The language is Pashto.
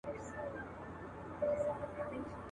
چي جوړ کړی چا خپلوانو ته زندان وي `